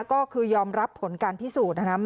ก็คือยอมรับผลการพิสูจน์นะครับ